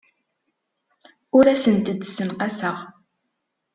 Ur asent-d-ssenqaseɣ.